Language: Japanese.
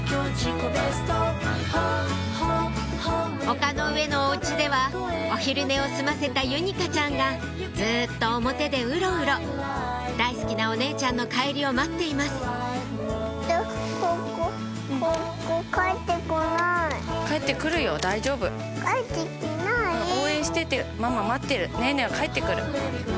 丘の上のお家ではお昼寝を済ませたゆにかちゃんがずっと表でウロウロ大好きなお姉ちゃんの帰りを待っていますママ待ってる。